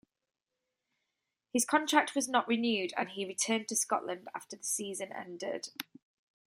His contract was not renewed and he returned to Scotland after the season ended.